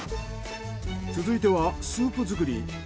続いてはスープ作り。